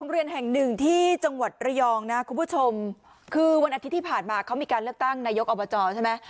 เรียนแห่งหนึ่งที่จังหวัดระยองนะคุณผู้ชมคือวันอาทิตย์ที่ผ่านมาเขามีการเลือกตั้งนายกอบจใช่ไหม